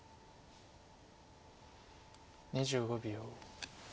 ２５秒。